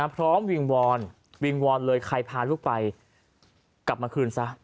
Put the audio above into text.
วิงวอนวิงวอนเลยใครพาลูกไปกลับมาคืนซะ